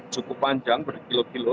cukup panjang berkilo kilo